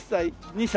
２歳？